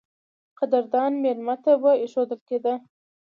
قدردان مېلمه ته به اېښودل کېده.